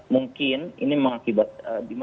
bagaimana anda mencermati dua variabel ini mas